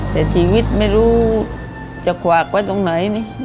แต่ชีวิตไม่รู้จะขวากไว้ตรงไหน